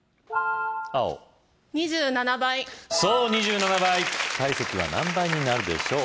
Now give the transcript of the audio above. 青２７倍そう２７倍体積は何倍になるでしょう